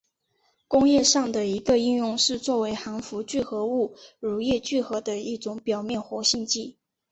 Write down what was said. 工业上的一个应用是作为含氟聚合物乳液聚合的一种表面活性剂。